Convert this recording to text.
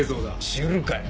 知るかよ。